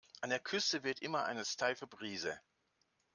An der Küste weht immer eine steife Brise.